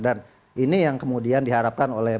dan ini yang kemudian diharapkan oleh